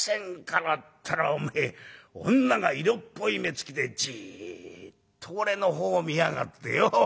ったらおめえ女が色っぽい目つきでじっと俺のほうを見やがってよ。